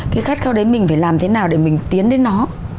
cái khát khao đấy mình phải làm thế nào để mình tiến đến nó